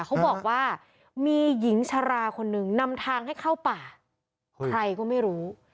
เขาบอกว่ามีหญิงชะลาคนหนึ่งนำทางให้เข้าป่าใครก็ไม่รู้